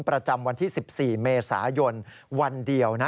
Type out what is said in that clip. ประจำวันที่๑๔เมษายนวันเดียวนะ